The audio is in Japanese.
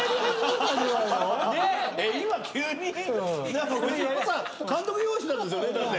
今急に⁉監督用意してたんですよねだって。